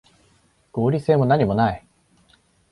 合理性もなにもない